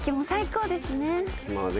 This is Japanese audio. まあね